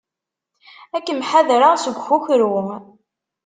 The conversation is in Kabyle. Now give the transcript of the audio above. Ad kem-ḥadreɣ seg ukukru.